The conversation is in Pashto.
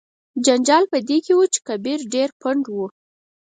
جنجال په دې کې و چې کبیر ډیر پنډ و.